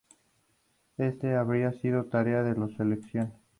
Recibió una formación católica por parte de su familia.